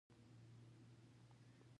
ځغاسته د تنفسي سیستم تمرین دی